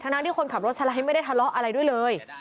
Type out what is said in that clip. ทั้งที่คนขับรถสไลด์ไม่ได้ทะเลาะอะไรด้วยเลย